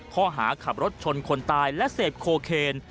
ข้อหาขับรถชนคนตายและเสพโคเคน